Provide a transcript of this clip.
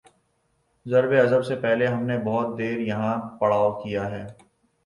ضرب عضب سے پہلے ہم نے بہت دیر یہاں پڑاؤ کیا ہے۔